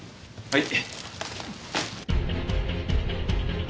はい。